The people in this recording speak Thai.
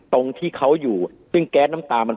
ตรงที่เขาอยู่ซึ่งแก๊สน้ำตามัน